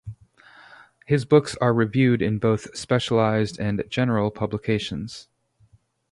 His books are reviewed in both specialized and general publications.